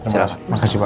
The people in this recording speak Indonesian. terima kasih pak